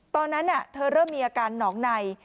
ตอนนั้นเธอเริ่มมีอาการหนองใน